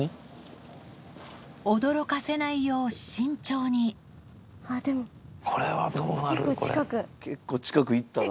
驚かせないよう慎重に結構近く行ったな。